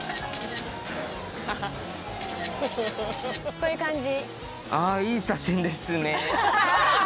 こういう感じ。